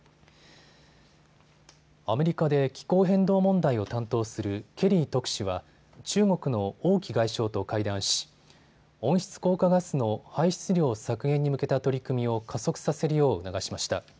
アメリカで気候変動問題を担当するケリー特使は中国の王毅外相と会談し温室効果ガスの排出量削減に向けた取り組みを加速させるよう促しました。